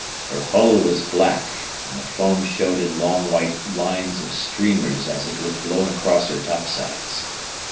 Her hull was black, and the foam showed in long white lines of streamers as it was blown across her topsides.